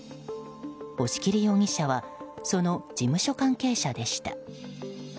押切容疑者はその事務所関係者でした。